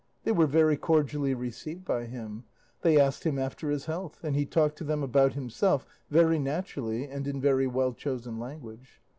They were very cordially received by him; they asked him after his health, and he talked to them about himself very naturally and in very well chosen language.